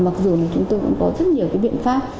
mặc dù là chúng tôi cũng có rất nhiều cái biện pháp